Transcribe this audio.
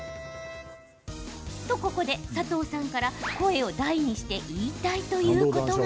と、ここで佐藤さんから声を大にして言いたいということが。